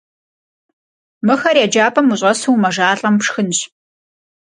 Мыхэр еджапӀэм ущӀэсу умэжалӀэм, пшхынщ.